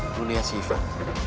lu liat sih ivan